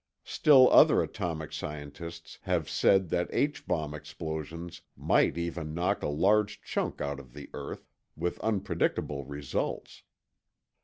Still other atomic scientists have said that H bomb explosions might even knock a large chunk out of the earth, with unpredictable results.